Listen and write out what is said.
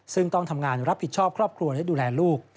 ซึ่งต้องทำงานรับผิดชอบครอบครัวและดูแลลูก